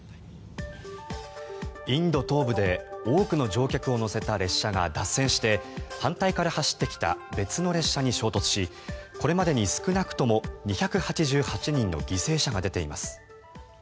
インド東部で多くの乗客を乗せた列車が脱線して反対から走ってきた別の列車に衝突しこれまでに少なくとも２８８人の犠牲者が出ています。